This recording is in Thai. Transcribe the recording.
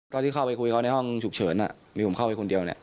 ที่เข้าไปคุยเขาในห้องฉุกเฉินมีผมเข้าไปคนเดียวเนี่ย